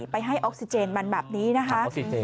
ไปให้ออกซิเจนมันแบบนี้นะคะ